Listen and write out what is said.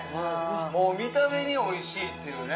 もう見た目においしいっていうね